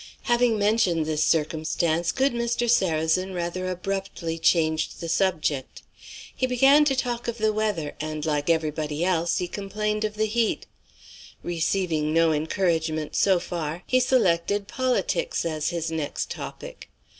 Having mentioned this circumstance, good Mr. Sarrazin rather abruptly changed the subject. He began to talk of the weather, and, like everybody else, he complained of the heat. Receiving no encouragement so far, he selected politics as his next topic.